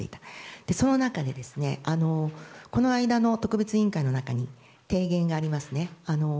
この間の特別委員会の中に提言がありますね。